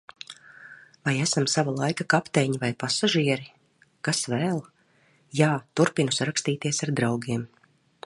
Vai esam sava laika kapteiņi vai pasažieri? Kas vēl? Jā, turpinu sarakstīties ar draugiem.